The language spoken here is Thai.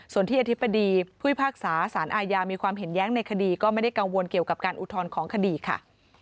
ส่วนที่อธิบดีผู้พิพากษาสารอาญามีความเห็นแย้งในคดีก็ไม่ได้กังวลเกี่ยวกับการอุทธรณ์ของคดีค่ะ